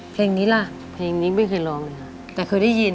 เพลงนี้ล่ะเพลงนี้ไม่เคยลองแต่เคยได้ยิน